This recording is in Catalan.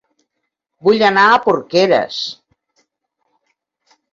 Vull anar a Porqueres